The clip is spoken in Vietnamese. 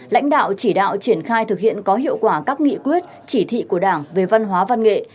lãnh đạo chỉ đạo triển khai thực hiện có hiệu quả các nghị quyết chỉ thị của đảng về văn hóa văn nghệ